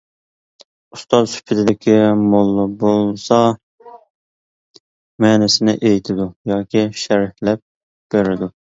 ئۇستاز سۈپىتىدىكى موللا بولسا، مەنىسىنى ئېيتىدۇ ياكى شەرھلەپ بېرىدۇ.